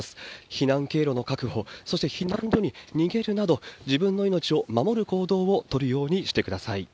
避難経路の確保、そして避難所に逃げるなど、自分の命を守る行動を取るようにしてください。